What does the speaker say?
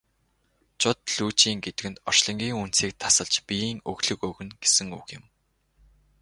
Жод лүйжин гэдэг нь орчлонгийн үндсийг тасалж биеийн өглөг өгнө гэсэн үг юм.